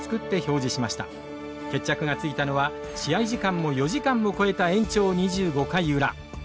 決着がついたのは試合時間も４時間を超えた延長２５回裏。